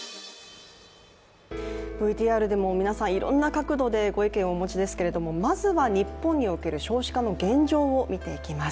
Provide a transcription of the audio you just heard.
ＶＴＲでも皆さん、いろんな角度でご意見をお持ちですけれどもまずは日本における少子化の現状を見ていきます。